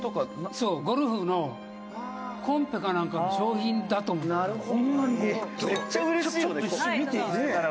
茶：「ゴルフのコンペかなんかの賞品だと思うんだけど」